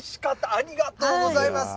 ありがとうございます。